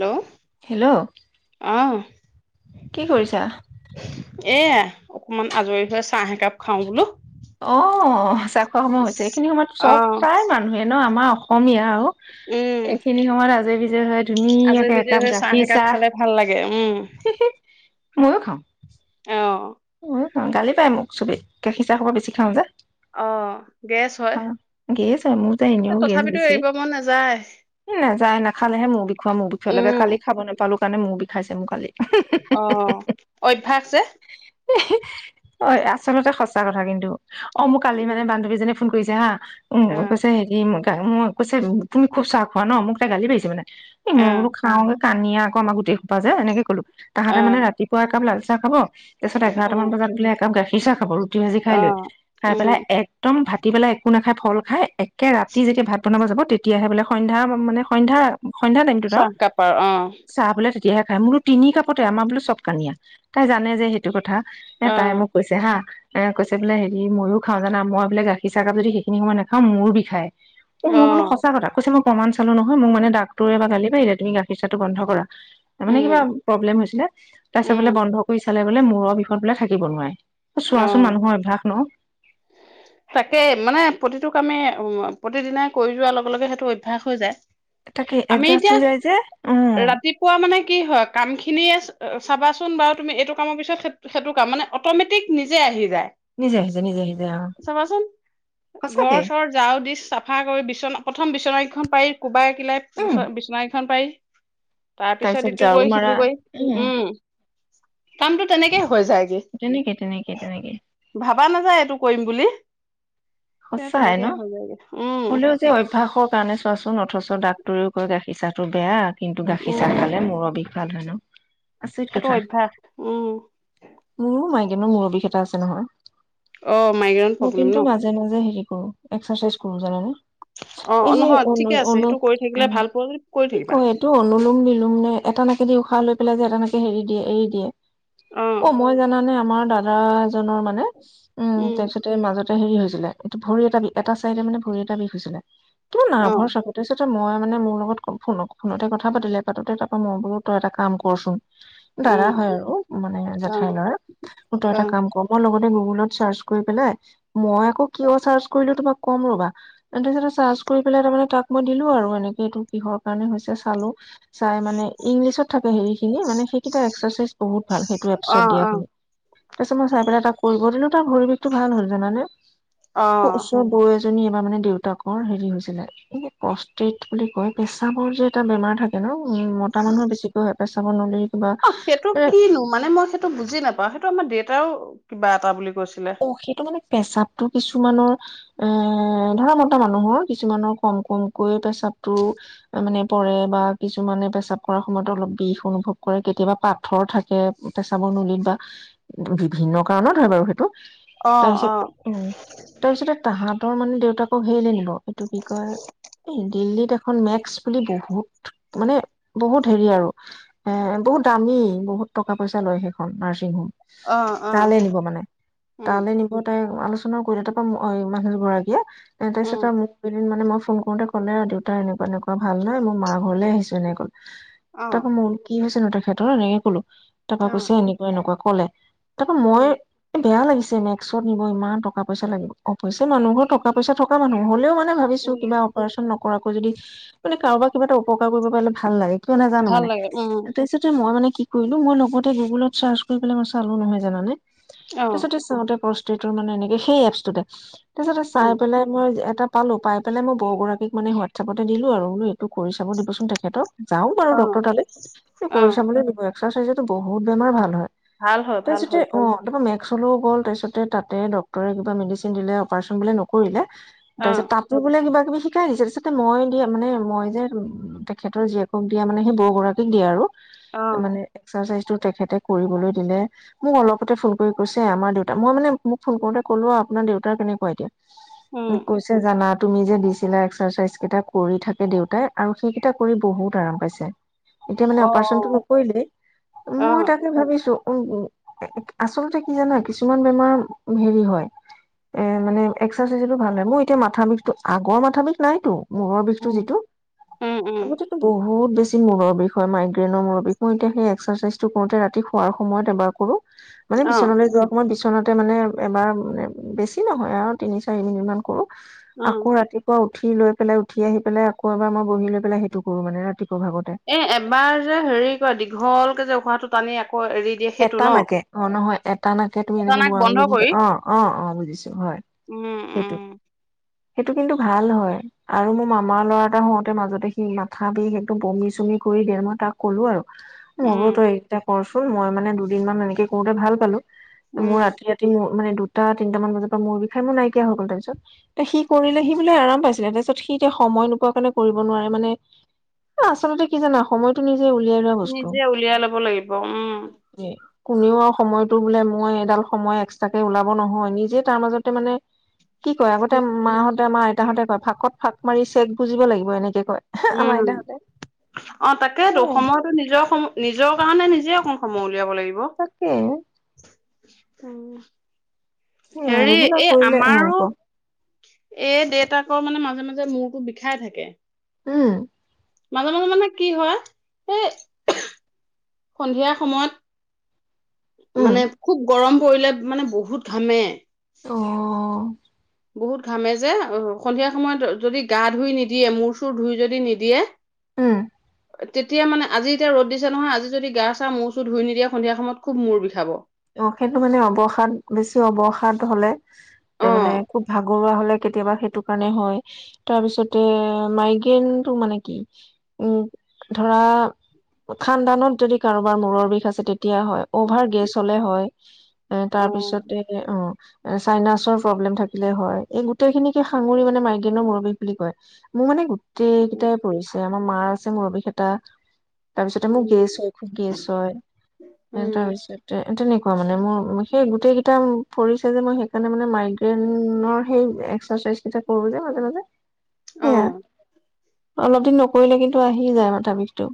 তো, হেল্ল' অহ। কি কৰিছা? এয়া অকমান আজৰি পাই চাহ একাপ খাওঁ বলোঁ। অহ, চা খোৱা সময় হৈছে এইখিনি সময়ত অ চব প্ৰায় মানুহে ন আমাৰ। অসমীয়া আৰু। এইখিনি সময়ত আজৰি [unintelligible] আজৰি-বিজৰি একাপ হৈ চাহ গাখীৰ একাপ খালে ভাল লাগে, উম। ময়ো খাওঁ। অ'। অ', গালি পাৰে মোক চবেই, গাখীৰ চাহ সপা বেছি খাওঁ যে। অ', গেছ হয়, খাওঁ গেছ হয় মোৰ যে এ এনেও গেছ তথাপিতো বেছি এৰিব মন নাযায়। খালেহে মুৰ বিখ [unintelligible] উম কালি খাব নেপালো। কাৰণে মূৰ বিষাইছে মোৰ কালি। অ', অভ্যাস যে। অ', আচলতে সঁচা কথা কিন্তু। অ', মোক কালি উম মানে বান্ধৱীজনী ফোন কৰিছে হা উম, অ কৈছে হেৰি মোক মই কৈছে তুমি খুব চাহ খোৱা ন' মোক তাই গালি পাৰিছে মানে। এই অ মই বোৰো খাওঁ কানিয়া আকৌ আমাৰ গোই খোপা যে এনেকে ক'লো। অ তাহাঁতে মানে ৰাতিপুৱা একাপ লাল চাহ খাব। তাপিছত অ এঘাৰটামান বজাত বোলে একাপ গাখীৰ খিচাহ খাব গুটি ভাজি খাই অ লৈ খাই উম পেলাই একদম ভাটিবেলা একো নাখাই ফল খাই একে ৰাতি যেতিয়া ভাত বনাব যাব তেতিয়াহে বোলে সন্ধ্যা মানে সন্ধ্যা সন্ধিয়া টাইমতটোত আৰু চাহ কাপ অ চাহ বোলে তেতিয়াহে খাই মোৰো তিনি কাপতে আমাৰ বো চব কানিয়া তাই জানে যে। এইটো কথা। এ অ তাই মোক কৈছে হা এ কৈছে বোলে হেৰি ময়ো খাওঁ জানা মই বোলে গাখীৰ চাহকাপ যদি সেইখিনি সময় নাখাওঁ মূৰ বিষাই। উ, অ মোৰ মানো সঁচা কথা কৈছে মই প্ৰমাণ চালো নহয় মোক মানে ডাক্তৰে এবাৰ গালি পাৰিলে তুমি গাখীৰ চাহটো বন্ধ কৰা। মানে উম কিবা প্ৰব্লেম হৈছিলে তাৰপিছত উম বোলে বন্ধ কৰি চালে। মূৰৰ বিষত বোলে থাকিব নোৱাৰে। চোৱাচোন অ', মানুহৰ অভ্যাস ন তাকেই, মানে প্ৰতিটো কামে অ', প্ৰতিদিনাই কৰি যোৱাৰ লগে লগে সেইটো অভ্যাস হৈ যায় তাকে আমি এডজাষ্ট এতিয়া, হৈ যায় যে উম ৰাতিপুৱা মানে কি হয়, কাম খিনিয়ে চাবাচোন বাৰু তুমি, এইটো কামৰ পিছত সেত সেইটো কাম, মানে অট'মেটিক নিজেই আহি যায়। নিজে আহিছে নিজে আহিছে অ চাবাচোন সঁচাকে ঘৰ চৰ যাও দি, চাফা কৰি বিচনা পত প্ৰথম বিচননাকেইখন পাৰি কোবাই কিলাই উম বিচনাকেইখন পাৰি [inaudible] তাৰ পিছত তাৰপিছত ইটো ঝাৰু কৈ মাৰা সিটো কৈ উম। কামটো তেনেকে হৈ যায় গে। তেনেকে তেনেকে তেনেকে ভাবা নাযায় এইটো কৰিম বু বুলি কিন্তু, সঁচাই ন তেনেকেই হৈ যায়গে। উম হ'লেও যে অভ্যাসৰ কাৰণে চোৱাচোন অথচ ডাক্তৰেও কয় গাখীৰ চা চাহটো বেয়া। কিন্তু, গাখীৰ চাহ উম খালে মূৰৰ বিষ ভাল হয় ন'। আচৰিত সেইটো কথা অভ্যাস উম। কিন্তু মোৰ অভিজ্ঞতা আছে নহয়। অ', মাইগ্ৰেন প্ৰ'ব্লেম ন'। অহ' এক্সাৰচাইজ ক কৰো জানানে। এই অ যে নহয় ঠিকে আছে অনু-অনু সেইটো কৰি থাকিলে উম, ভাল পোৱা যদি কৰি কি থাকিবা কয় এইটো অনুলোম নিলুম নে এটা নাকেদি উশাহ লৈ [unintelligible] এটা নাকে যে এৰি দিয়ে এৰি দিয়ে। অ'- মই জানানে আমাৰ দাদা এজনৰ মানে উম, তাৰ পিছতে মাজত হেৰি হৈছিলে এইটো ভৰি এটা দি এটা তাইৰ মানে ভৰি এটা বিষ হৈছিলে। তোৰ অ নাভৰ চাকতে চোন মই মানে মোৰ লগত ফোনত ফোনতে কথা পাতিলে পাতোতে তাৰপৰা মই বোলো তই এটা কাম ক'ৰচোন। দাদা উম হয় আৰু মানে অ জেঠাইৰ ল'ৰা তই অ এটা কাম কৰ মই লগতে গ ফোনত চাৰ্জ কৰি পেলাই মই আকৌ কিয় চাৰ্জ কৰিলো তোমাক কম ৰ'বা [unintelligible] চাৰ্জ কৰি পেলাই তাৰ মানে তাক মই দিলো আৰু এনেকে এইটো কিহৰ কাৰণে হৈছে চালো। চাই মানে ইংলিছত থাকে হেৰিখিনি মানে সেইকেইটা এক্সাৰচাইজ বহুত ভাল সেইটো অ এপছত অ দিয়াখিনি। তাৰপিছত মই চাই পেলাই তাক কৰিব দিলো তাৰ ভৰি বিষটো ভাল হ'ল জানানে। আকৌ অ'। ওচৰৰ বৌ এজনী এবাৰ মানে দেউতাকৰ হেৰি হৈছিলে, এই যে প্ৰষ্টেট বুলি কয়, পেচাবৰ যে এটা বেমাৰ থাকে ন? উম, মতা মানুহৰ বেছিকৈ হয়, পেচ চাবৰ‌ নলীত অ' সেটো কিনো মানে মই সেটো বুজি নাপাওঁ, সেইটো আমাৰ দেত তাও কিবা এটা বুলি কৈছিলে অ' সেইটো মানে পেচাবটো কিছুমানৰ, অ' ধৰা মতা মানুহৰ, কিছুমানৰ কম কমকৈ পেচাবটো মানে পৰে বা কিছুমানে পেচাব কৰা সময়ত অলপ বিষ অনুভৱ কৰে, কেতিয়াবা পাথৰ থাকে পেচাবৰ নলীত, বা বিভিন্ন কাৰণত হয় বাৰু সেইটো অ', তাৰপিছত অ। তৰ মান দেউতাকক হেৰিলে নিব সেটো কি কয়, এই দিল্লীত এখন মেক্স বুলি বহুত, মানে বহুত হেৰি আৰু, এ বহুত দামী, বহুত টকা পইচা লয় সেইখন নাৰ্ছিং হোম অ', অ'। তালৈ নিব মানে উম তালৈ নিব তাত উম, আলোচনা কৰিলে তাপা মানুহ দুগৰাকীয়ে উম তাপিছত আৰু মোক মানে মই ফোন কৰোতে ক'লে দেউতা এনেকা এনেকুৱা ভাল নাই মোৰ মা ঘৰলৈ আহিছো এনেকৈ। অ তাক মল কি তেখেতৰ এনেকে কলোঁ টকা অ পইচা এনেকুৱা এনেকুৱা ক'লে তাপা উম মইয়ে বেয়া লাগিছে মেস্কত নিব ইমান টকা পইচা লাগিব অৱশ্যে মানুহ ঘৰ টকা পইচা থকা মানুহ হ'লেও মানে ভাবিছো উম কিবা অপাৰেচন নকৰাকে যদি মানে কাৰোবাক কিবা এটা উপকাৰ কৰিব পাৰিলে ভাল লাগে। কিয় নাজানো ভাল মানে লাগে উম তাৰপিছতে মই মানে কি কৰিলো মই লগতে গুগলত চাৰ্চ কৰি মই চালো নহয় জানানে। অ তাচতে [unintelligible] [unintelligible] মানে সেই এপচটোতে তাৰপিছতে চাই উম পেলাই মই এটা, পালোঁ পাই পেলাই মই বৌগৰাকীক মানে হোৱাটছএপতে দিলোঁ আৰু এইটো কৰি চাব দিবচোন তেখেতক যাক বাৰু অ ডক্টৰ তালে অ কৰি চাবলৈ দিব এবাৰ এক্সাৰচাইজতো বহুত বেমাৰ ভাল হয় ভাল হয় ভাল হয় [unintelligible] উলেও গ'ল তাৰপাছতে তাতে ডক্টৰে কিবা মেডিচিন দিলে অপাৰেচন বোলে নকৰিলে অ তাৰপিছত তাতো বোলে কিবা কিবি শিকাই দিছে তাৰিপাছতে মই দিয়া মানে মই যে তেখেতৰ জীয়েকক দিয়া মানে সেই বৌগৰাকীক দিয়ে আৰু অ মানে একতাৰ চাইজটো তেখেতে কৰিবলৈ দিলে মোক অলপতে ফোন কৈছে আমাৰ দেউতা মই মানে মোক ফোন কৰোতে ক'লো আৰু আপোনাৰ দেউতাৰ কেনেকুৱা এতিয়া উম কৈছে জানাত তুমি যে দিছিলা এক্সাৰচাইজ কেইটা কৰি থাকে দেউতাই আৰু সেইকেইটা কৰি বহুত আৰাম পাইছে এতিয়া মানে অ অ অপাৰচনটো নকৰিলে? অ মই তাকে ভাবিছো উম উম আচলতে কি জানা কিছুমান বেমাৰ হেৰি হয়, এ মানে এক্সাৰচাইজতো ভাল হয় মোৰ এতিয়া মাথা বিষটো, আগৰ মাথা বিষ নাইতো মূৰৰ বিষটো উম যিটো, উম উম আগতেতো বহুত বহুত বেছি মূৰৰ বিষ হয় মাইগ্ৰেেইনৰ মূৰৰ বিষ মই এতিয়া সেই এক্সাৰচাইজটো কৰোতে ৰাতি শোৱাৰ সময়ত এবাৰ কৰো মানে অ বিচনালৈ যোৱা সময়ত [unintelligible] মানে এবাৰ মানে বেছি নহয় আৰু তিনি চাৰি মিনিটমান কৰোঁ উম আকৌ ৰাতিপুৱা উঠি লৈ পেলাই উঠি আহি পেলাই আকৌ এবাৰ মই বহি লৈ পেলাই সেইটো কৰো মানে ৰাতি এ এবাৰ যে হেৰি কয় দীঘল যে উশাহটো টানি এৰি দিয়ে সেইটো এটা ন নাকে, অ নহয় টানাকে তুমি এনেকে এটানাক বুৰা বন্ধ কৰি [unintelligible] অ অ অ বুজিছোঁ উম উম সেইটো কিন্তু ভাল হয় আৰু মোৰ মামাৰ ল'ৰা এটা হওঁতে মাজতে সি মাথা বিষ একদম বমি চমি কৰি দিয়ে, মই তাক কলো আৰু। উম, [unintelligible] [unintelligible] মানে দুদিনমান এনেকে কৰোতে ভাল পালো মই উম, ৰাতি ৰাতি মোৰ মানে দুটা তিনটা মান বজাৰ পৰা মূৰ বিষায় মোৰ নাইকিয়া হৈ গ'ল তাৰপিছত এ সি কৰিলে সি বোলে আৰাম পাইছিলে তাৰপিছত সি এতিয়া সময় নোপোৱা কাৰণে কৰিব নোৱাৰে মানে, আচলতে কি জানা সময়তো নিজে উলিয়াই লব লাগিব উম কোনেও আৰু সময়তো বোলে মই এডাল সময় এক্সট্ৰাকে ওলাব নহয় নিজে তাৰ মাজতে মানে কি কয়, আগতে মা হত আমাৰ আইতাহঁতে কয় ফাঁকত ফাঁক মাৰি চেগ বুজিব লাগিব এনেকে কয়। আমাৰ উম, আইতাহঁতে অ এ তাকেইেতো সময়তো নিজৰ সম নিজৰ কাৰণে নিজে অকণ সময় [unintelligible] উলিয়াব লাগিব তাকে উম সেয়া ৰেগুলাৰ কৰিলে হে হব এইৰ দেএতাকৰ মানে মাজে মাজে মূৰটো বিষাই থাকে। উম মাজে মাজে মানে কি হয় এই, সন্ধিয়া সময়ত উম মানে খুব গৰম কৰিলে মানে বহুত ঘামে অঅহহ বহুত ঘামে যে সন্ধিয়া সময়ত যদি গা ধুই নিদিয়ে মূৰ চুৰ ধুই যদি নিদিয়ে উম তেতিয়া মানে আজি এতিয়া ৰ'দ দিছে নহয় আজি যদি গা চা মৌ চু ধুই নিদিয়ে সন্ধিয়া সময়ত খুব মৰ বিষাব অ সেইটো মানে অৱসাদ বেছি অৱসাদ হলে অ', মানে খুব ভাগৰুৱা হলে কেতিয়াবা সেইটো কাৰণে হয় তাৰপিছতে মাইগ্ৰেইনটো মানে কি উ ধৰা খান্দানত যদি কাৰোবাৰ মূৰৰ বিষ আছে তেতিয়া হয় অভাৰ গেছ চলে হয় এ অ', তাৰপিছতে অ এ চাইনাচৰ প্ৰব্লেম থাকিলে হয় এই গোটেইখিনিকে সাঙুৰি মানে মাইগ্ৰেইনৰ মূুৰ বিষ বুলি কয় মোৰ মানে উম, গোটেইকেইটাই প পৰি়ছে [unintelligible] আমাৰ মাৰ আছে মূৰবিষ এটা তাৰপিছতে মোক গেছ উম, হয় [inaudible] খুব গেছ হয় উম, তাৰপিছত তেনেকোৱা মানে মোৰ সেই গোটেই কেইটা পৰিছে যে মই সেইকাৰণে মানে মাইগ্ৰেনৰ সেই এক্সাৰচাইজ কেইটা কৰো যে মাজে মাজে। সেয়া অ' অলপ দিন নকৰিলে কিন্তু আহিই যায় মাথা বিষটো।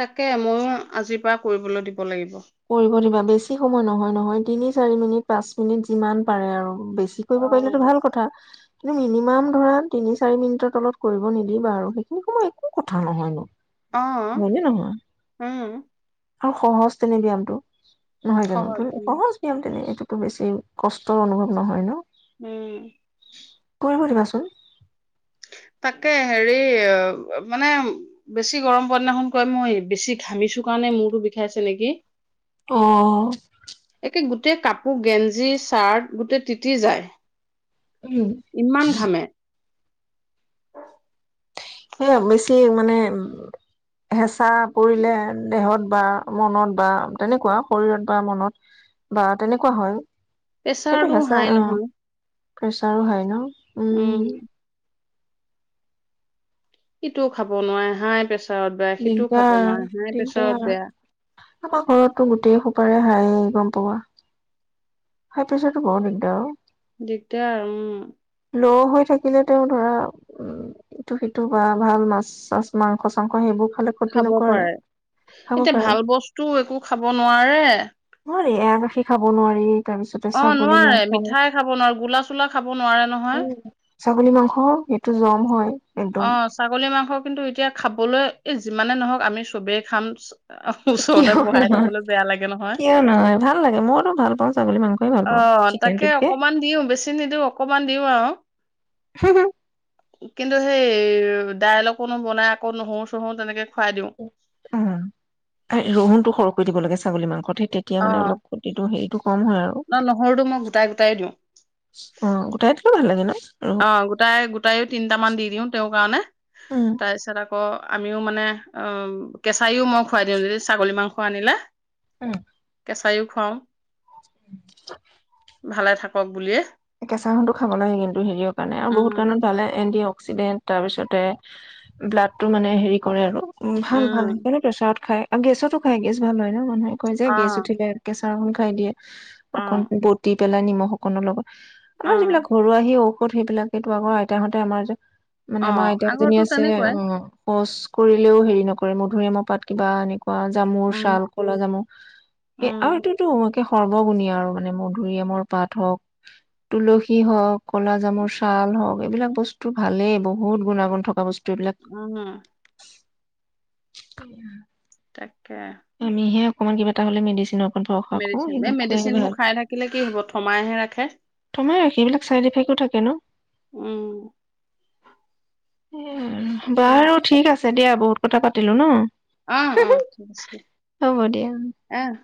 তাকে, ময়ো আজিৰ পৰা কৰিবলৈ দি ক লাগিব। কৰিব দিবা বেছি সময় নহয় - নহয়, তিনি চাৰি মিনিট পাঁচ মিনিট যিমান পাৰে আৰু। বেছি কৰিব পাৰিলেটো অ', ভাল কথা। কিন্তু মিনিমাম ধৰা তিনি চাৰি মিনিটৰ তলত কৰিব নিদিবা আৰু সেইখিনি সময় একো কথা নহয় ন। অহ ', উম', আৰু সহজ তেনেই ব্যায়ামটো। নহয় জানো সহজ তুমি, উম, সহজ নিয়ম তেনেই এইটো। টো বেছি কষ্ট অনুভৱ নহয় ন? উমম। [unintelligible] শুনিবাচুন তাকে হেৰিই মানে বেছি গৰম পোৱা দিনাখন কয় মই বেছি ঘামিছো কাৰণে মূৰটো বিষাইছে নেকি? অহ ', গোটে কাপো গেঞ্জী, চাৰ্ট গোটে তিতি যায়। উম ইমান ঘামে। হেই বেছি মানে হেঁচা পৰিলে দেহত বা মনত বা তেনেকোৱা শৰীৰত বা মনত বা তেনেকোৱা হয়। সেইটো প্ৰেচাৰটো হেঁচাই হাই অ নহয়। প্ৰেছাৰো হাই ন। উম। ইটোও খাব নোৱাই হাই প্ৰেছা- দিকদাৰ - দিকদাৰ, বেয়া আমাৰ ঘৰতটো গোটেই সোপাৰে হাই। গম পোৱা। হাই প্ৰেছাৰতটো বৰ দিগদাৰ অ', দিগদাৰ উম', ল' হৈ থাকিলে তেওঁ ধৰা উম ', ইটো সিটো বা ভাল মাছ চাছ মাংস চাংস ক হেইবোৰ। খাব পাৰে। এতিয়া পাৰে ভাল বস্তুও একো খাব নোৱাৰে। এয়া গাখীৰ খাব নোৱাৰি। তাৰপিছতে অ ', ছাগলী নোৱাৰে, মাংস মিঠাই খাব নোৱাৰে গোলা-চোলা খাব নোৱাৰে নহয়। উম ছাগলী মাংস সেইটো জম হয় একদম অ', ছাগলী মাংস কিন্তু এতিয়া খাবলৈ এই যিমানে নহক আমি চবেই খাম চ এ', কিহৰ নহয়। নহয় কিয় নহয় ভাল লাগে। মইতো ভাল পাওঁ ছাগলী মাংস অ' তাকে অকমান দিও বেছি নিদিও অকমান দিও আ- অ। কিন্তু হেই দাইল অকনো বনাই আকৌ নহৌ- চহৌ তেনেকে খুৱাই দিওঁ উম্ তাই ৰহুণটো সৰুকৈ দিব লাগিছিল। ছাগলী মাংসত। এই তেতিয়া অ মানে অলপ ক্ষতিটো হেৰিটোক কম হয় আৰু ন নহৰুটো মই গোটাই গোটাই দিওঁ অ গোটাই থলেও ভাল লাগে ন? ৰহুন অ গোটাই গোট, তাৰেও তিনটামান দি দিওঁ তেওঁৰ কাৰণে। উম তাৰ পিছত আকৌ অ আমিও মানে অ কেঁচাইও মই খুৱাই দিওঁ যদি ছাগলী মাংস আনিলে। উম কেঁচাইও খুৱাওঁ। ভালে থাকক বুলিয়েই। কেঁচা [unintelligible] খাব লাগে কিন্তু। হেৰিয় কাৰণে আৰু বহুত উম কাৰণত ভালে এণ্টি অ- অক্সিডেণ্ট তাৰপিছতে ব্লাডটো মানে হেৰি কৰে আৰু। উম্ ভাল ভাল উম সেইকাৰণে প্ৰেছাৰত খায়। আৰু গেছতো খাই গেছ ভাল হয় ন মানুহে। কৈ যে অ গেছ উঠিলে [unintelligible] তামুল খাই দিয়ে। অ অকণ বৌতিপ। পেলাই নিমখ অকনৰ লগত। অ আমাৰ যিবিলাক ঘৰু আৰ্হি ঔ ষধ সেইবিলাকেটো আগৰ আইতাহঁতে আমাৰ যে মানে অ আমাৰ আইতা এজনী আগৰতো আছে তেনেকুৱাই উম্ শৌচ কৰিলেও হেৰি নকৰে মধুৰিআমৰ পাত কিবা আনি অ জামুৰ উম চাল ক'লা জামু সেই আৰু উম এইটোতো সৰ্বগুণীয়া আৰু মানে মধুৰিআমৰ পাত হওক তুলসী হওঁক, কলা জামুৰ চাল হওঁক এইবিলাক বস্তু ভালেই বহুত গুণাগুণ থকা ব উম্। [unintelligible] তাকে। আমি হে অকণমান কিবা এটা হলে মেডিচিনৰ ওপৰত ভৰসা কৰো মেডিচিন, এই সেইবোৰ খোৱাই মেডিচিনবোৰ ভাল খাই থাকিলে কি হ'ব থমাইহে ৰাখে। থমাই ৰাখে এইবিলাক ছাইড এফেক্টো থাকে ন? উম্। এইয়াই, তাকে বাৰু ঠিক আছে। দিয়া বহুত কথা পাতিলো ন'? অহ অহ ঠিক আছে, হ'ব দিয়া অহ।